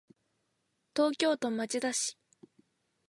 東京都町田市